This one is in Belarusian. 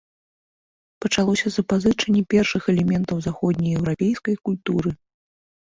Пачалося запазычанне першых элементаў заходнееўрапейскай культуры.